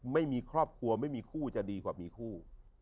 ไม่มีครอบครัวไม่มีคู่จะดีกว่ามีคู่